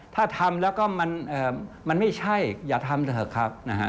ถ้าทำแล้วก็มันไม่ใช่อย่าทำเถอะครับนะฮะ